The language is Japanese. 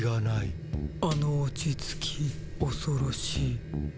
あの落ち着きおそろしい。